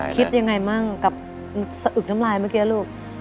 คิดยังไงมั่งกับสะอึกน้ำลายเมื่อกี้ลูก